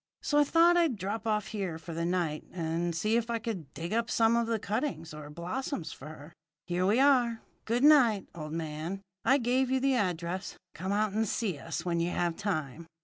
So I thought I'd drop off here for the night, and see if I could dig up some of the cuttings or blossoms for her. Here we are. Good night, old man. I gave you the address. Come out and see us when you have time."